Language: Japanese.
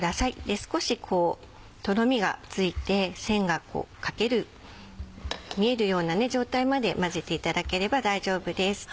少しとろみがついて線が見えるような状態まで混ぜていただければ大丈夫です。